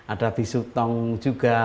ada bisutong juga